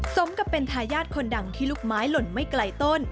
สมกับเป็นทายาทคนดังที่ลูกไม้หล่นไม่ไกลต้น